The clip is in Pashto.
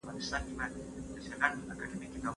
زه پرون د ښوونځی لپاره تياری کوم.